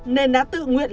nên đã tự nguyện lên